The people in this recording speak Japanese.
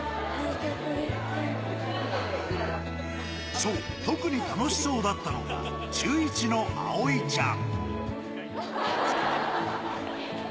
そう、特に楽しそうだったのが中１の葵ちゃん。